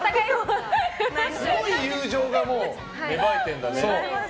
すごい友情が芽生えてんだね。